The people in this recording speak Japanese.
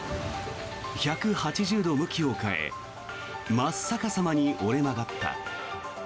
１８０度向きを変え真っ逆さまに折れ曲がった。